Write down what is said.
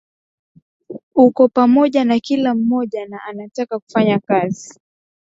uko pamoja na kila mmoja na anataka kufanya kazi